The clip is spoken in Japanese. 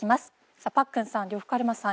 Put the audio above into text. パックンさん呂布カルマさん